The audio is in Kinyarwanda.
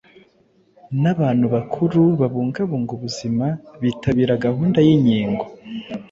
N’abantu bakuru babungabunga ubuzima bitabira gahunda y’inkingo